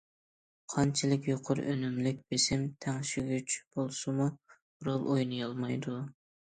قانچىلىك يۇقىرى ئۈنۈملۈك بېسىم تەڭشىگۈچ بولسىمۇ رول ئوينىيالمايدۇ.